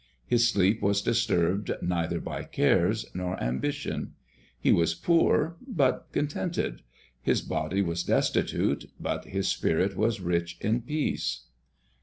His sleep was disturbed neither by cares nor ambition. He was poor but contented; his body was destitute, but his spirit was rich in peace.